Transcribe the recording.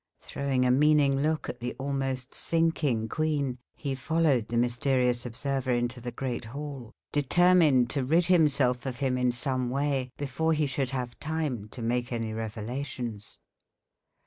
Throwing a meaning look at the almost sinking queen, he followed the mysterious observer into the great hall, determined to rid himself of him in some way before he should have time to make any revelations.